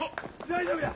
大丈夫や！